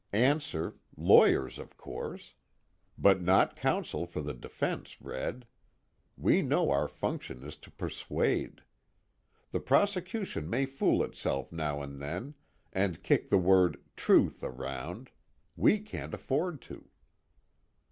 Answer, lawyers of course. But not counsel for the defense, Red. We know our function is to persuade. The prosecution may fool itself now and then, and kick the word 'truth' around; we can't afford to."